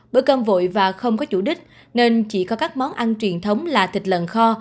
bữa cơm vội và không có chủ đích nên chỉ có các món ăn truyền thống là thịt lợn kho